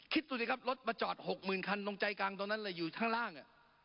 คิดดูสิครับรถมาจอด๖๐๐๐คันตรงใจกลางตรงนั้นเลยอยู่ข้างล่าง